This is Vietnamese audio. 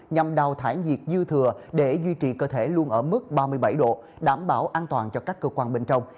nhằm đào thải nhiệt dư thừa để duy trì cơ thể luôn ở mức ba mươi bảy độ đảm bảo an toàn cho các cơ quan bên trong